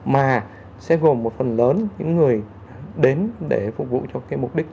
mà sẽ gồm một phần lớn những người đến để phục vụ cho cái mục đích